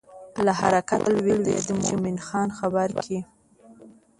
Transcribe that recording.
له حرکته ولوېدله چې مومن خان خبر کړي.